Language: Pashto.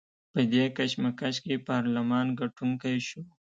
په دې کشمکش کې پارلمان ګټونکی شو.